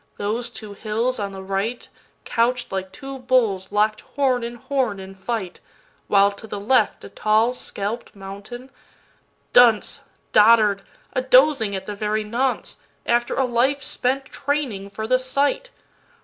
those two hills on the right, Couch'd like two bulls lock'd horn in horn in fight, While, to the left, a tall scalp'd mountain … Dunce, Dotard, a dozing at the very nonce, After a life spent training for the sight!